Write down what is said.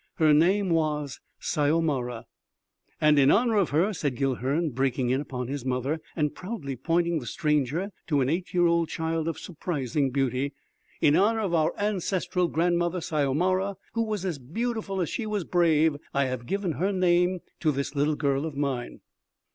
Her name was Syomara." "And in honor of her," said Guilhern breaking in upon his mother and proudly pointing the stranger to an eight year old child of surprising beauty, "in honor of our ancestral grandmother Syomara, who was as beautiful as she was brave, I have given her name to this little girl of mine."